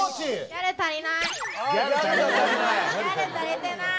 ギャル足りてない！